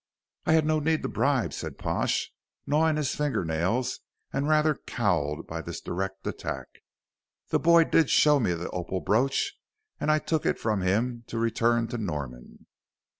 "I had no need to bribe," said Pash, gnawing his finger nails and rather cowed by this direct attack. "The boy did show me the opal brooch, and I took it from him to return to Norman."